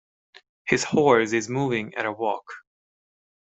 His horse is moving at a walk.